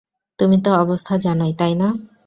তুমি তো অবস্থা জানোই, তাই না?